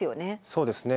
そうですね。